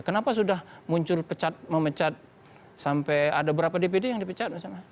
kenapa sudah muncul pecat memecat sampai ada beberapa dpd yang dipecat